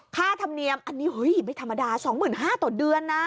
ค่าธรรมเนียมอันนี้เฮ้ยไม่ธรรมดา๒๕๐๐ต่อเดือนนะ